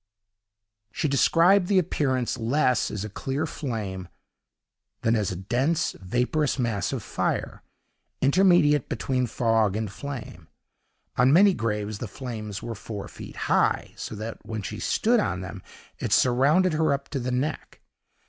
She described the appearance less as a clear flame than as a dense, vaporous mass of fire, intermediate between fog and flame. On many graves the flames were four feet high, so that when she stood on them, it surrounded her up to the neck.